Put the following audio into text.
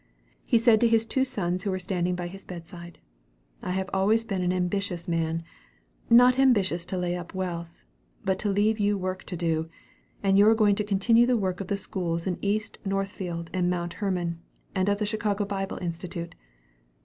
He said to his two sons who were standing by his bedside: "I have always been an ambitious man, not ambitious to lay up wealth, but to leave you work to do, and you're going to continue the work of the schools in East Northfield and Mount Hermon and of the Chicago Bible Institute."